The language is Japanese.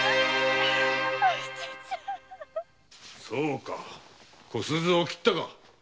そうか小鈴を斬ったか。